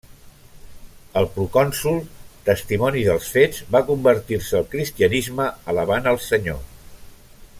El procònsol, testimoni dels fets, va convertir-se al cristianisme alabant al Senyor.